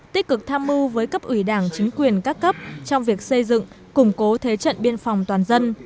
tích cực tham mưu với cấp ủy đảng chính quyền các cấp trong việc xây dựng củng cố thế trận biên phòng toàn dân